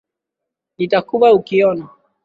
Nitakufa ukiona